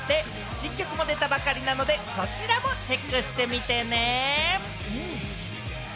新曲も出たばかりなので、そちらもチェックしてみてね！